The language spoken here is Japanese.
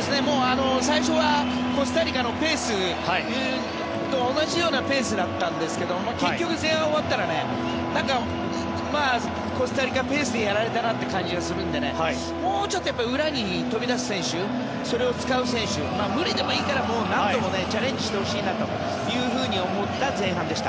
最初はコスタリカのペースと同じようなペースだったんですが結局前半終わったらコスタリカペースにやられたなという感じがするのでもうちょっと裏に飛び出す選手それを使う選手無理でもいいから何度もチャレンジしてほしいなと思った前半でした。